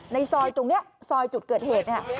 ในซอยตรงนี้ซอยจุดเกิดเหตุเนี่ย